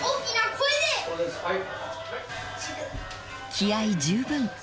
［気合十分］